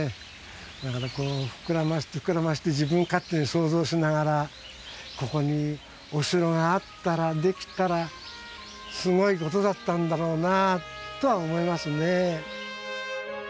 だからこう膨らまして膨らまして自分勝手に想像しながらここにお城があったらできたらすごいことだったんだろうなとは思いますね。